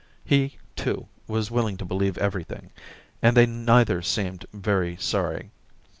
He, too, was willing to believe everything, and they neither seemed very sorry.